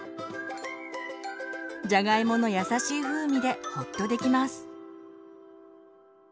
じゃがいもの優しい風味でほっとできます。